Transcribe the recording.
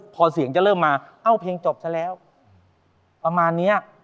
พอเสียงจะเริ่มมาเอ้าเพลงจบซะแล้วประมาณเนี้ย